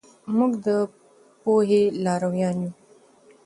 موږ د پوهې لارویان یو.